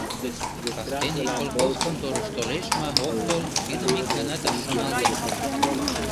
Кастене колхоз конторыш толеш ма, ок тол — тидым ик ганат ыш шоналте.